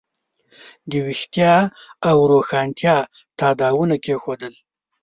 د ویښتیا او روښانتیا تاداوونه کېښودل.